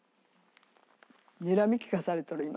にらみ利かされとる今。